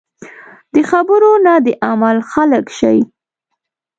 د خبرو نه د عمل خلک شئ .